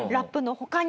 他に？